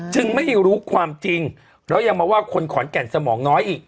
จึงไม่รู้ความจริงแล้วยังมาว่าคนขอนแก่นสมองน้อยอีก